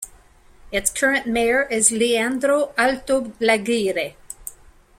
Its current mayor is Leandro Altolaguirre.